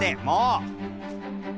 もう！